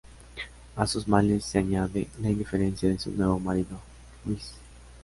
A sus males se añade la indiferencia de su nuevo marido, Luis.